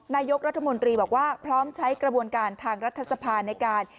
นายกรัฐมนตรีบอกว่าพร้อมใช้กระบวนการทางรัฐสภาในการ